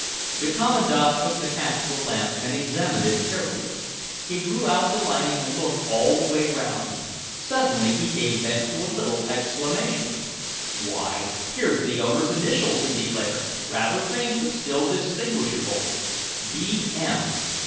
The Commandant took the hat to a lamp and examined it carefully. He drew out the lining and looked all the way round. Suddenly he gave vent to a little exclamation. "Here are the owner's initials," he declared, "rather faint but still distinguishable, B. M.